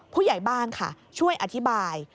ผู้ใหญ่บ้านค่ะช่วยอธิบาย